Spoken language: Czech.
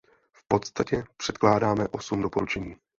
V podstatě předkládáme osm doporučení.